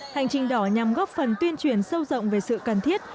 hành trình đỏ nhằm góp phần tuyên truyền sâu rộng về sự cần thiết